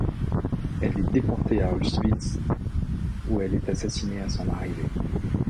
Elle est déportée à Auschwitz où elle est assassinée à son arrivée.